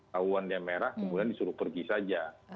tahuannya merah kemudian disuruh pergi saja